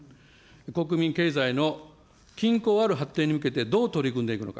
国民経済の均衡ある発展に向けてどう取り組んでいくのか。